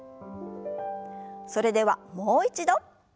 それではもう一度。